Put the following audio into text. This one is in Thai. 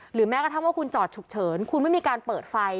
หรือแม่ก็ทำว่าคุณจอดฉุกเฉินคุณไม่มีการเปิดไฟ